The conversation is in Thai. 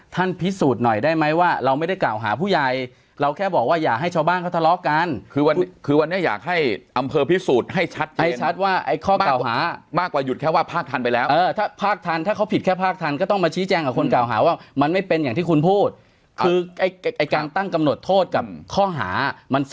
แต่มันก็คือเงินเดือนของเมษานั่นแหละใช่ค่ะ